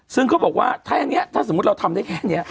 สือเขาบอกว่าถ้าแบบเนี้ยถ้าสมมติเราทำได้แค่นี้